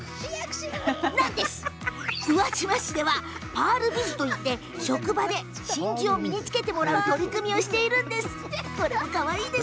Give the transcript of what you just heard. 宇和島市ではパールビズといって職場で真珠を身につけてもらう取り組みをしているんです。